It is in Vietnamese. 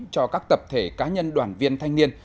cho các tập thể cá nhân đoàn viên thanh niên